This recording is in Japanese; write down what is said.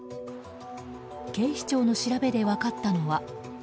警視庁の調べで分かったのは。